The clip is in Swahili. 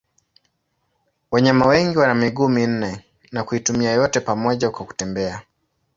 Wanyama wengi wana miguu minne na kuitumia yote pamoja kwa kutembea.